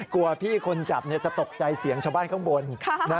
กลัวพี่คนจับจะตกใจเสียงชาวบ้านข้างบน